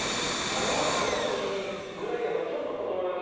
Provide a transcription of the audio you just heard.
２話ちょうどいいぐらいやからちょっと整えようかとか。